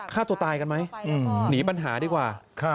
ฆ่าตัวตายกันไหมหนีปัญหาดีกว่า